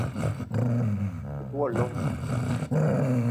Me te wo lo